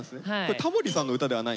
タモリさんの歌ではない？